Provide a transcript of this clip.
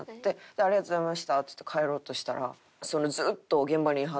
「ありがとうございました」っつって帰ろうとしたら。